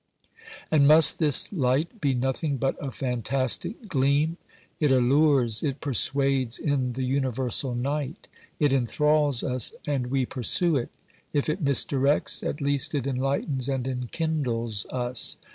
And must this light be nothing but a fantastic gleam ? It allures, it persuades in the universal night. It enthralls us and we pursue it ; if it misdirects, at least it enlightens and enkindles us.